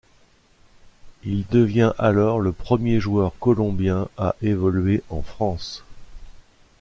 Il devient alors le premier joueur colombien à évoluer en France.